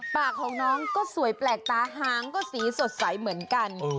ปากของน้องก็สวยแปลกตาหางก็สีสดใสเหมือนกัน